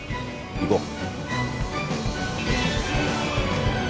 行こう。